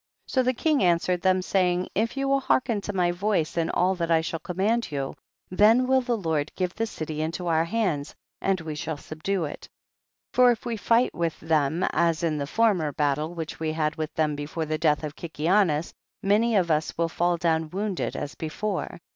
7. So the king answered them, say ing, if you will hearken to my voice in all that I shall command you, then will the Lord give the city into our hands and we shall subdue it. 8. For if we fight with them as in the former battle which we had with them before the death of Kikianus, many of us will fall down wounded as before.